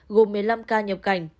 gồm một mươi năm ca nhập cảnh